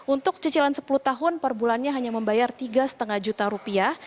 untuk cicilan sepuluh tahun per bulannya hanya membayar tiga lima juta rupiah